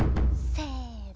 せの。